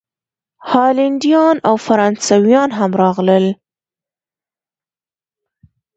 هالینډیان او فرانسویان هم راغلل.